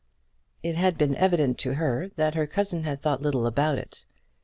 It had been evident to her that her cousin had thought little about it.